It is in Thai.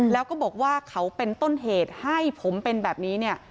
แล้วก็บอกว่าเขาเป็นต้นเหตุให้ผมเป็นแบบนี้เนี่ย